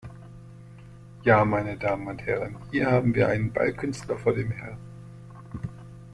Ja meine Damen und Herren, hier haben wir einen Ballkünstler vor dem Herrn!